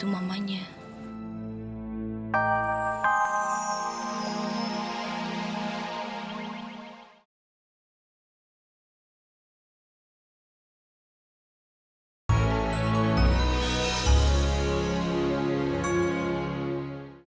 ternyata dua nya alasannya raya suis geli juga